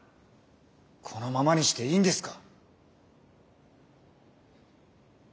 このままにしていいんですか！